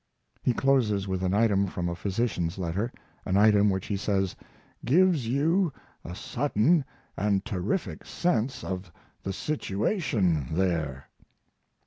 He closes with an item from a physician's letter an item which he says "gives you a sudden and terrific sense of the situation there."